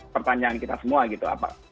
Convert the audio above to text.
pertanyaan kita semua gitu